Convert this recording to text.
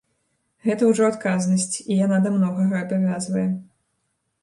Гэта ўжо адказнасць і яна да многага абавязвае.